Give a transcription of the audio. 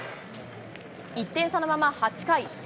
１点差のまま８回。